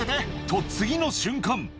と、次の瞬間。